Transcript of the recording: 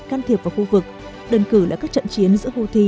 can thiệp vào khu vực đơn cử lại các trận chiến giữa houthi